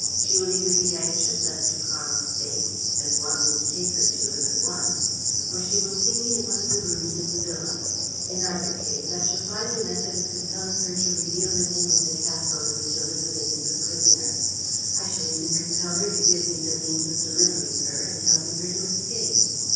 "She will either be anxious as to Karl's fate and want me to take her to him at once or she will see me in one of the rooms in the villa. In either case I shall find a method of compelling her to reveal the name of the castle in which Élisabeth is a prisoner. I shall even compel her to give me the means of delivering her and helping her to escape."